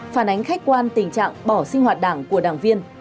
phản ánh khách quan tình trạng bỏ sinh hoạt đảng của đảng viên